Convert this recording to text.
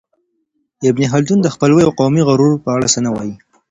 ابن خلدون د خپلوۍ او قومي غرور په اړه څه وايي؟